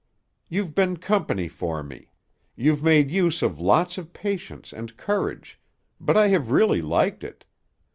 "You've been company for me. You've made use of lots of patience and courage, but I have really liked it.